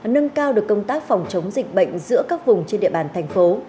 nâng cao được công tác phòng chống dịch bệnh giữa các vùng trên địa bàn thành phố